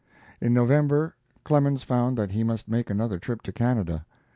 In November, Clemens found that he must make another trip to Canada.